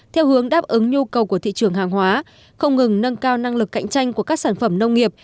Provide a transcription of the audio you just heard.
theo hướng đáp ứng nhu cầu của thị trường hàng hóa không ngừng nâng cao năng lực cạnh tranh của các sản phẩm nông nghiệp